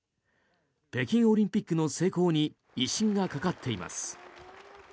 北京オリンピックの成功に威信がかかっています。